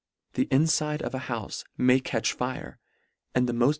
The infide of a houfe may catch fire, and the mofr.